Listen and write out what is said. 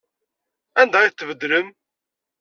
Anda ay ten-tbeddlem?